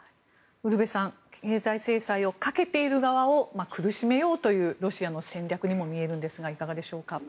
ウルヴェさん経済制裁をかけている側を苦しめようというロシアの戦略にも見えるんですがいかがでしょうか。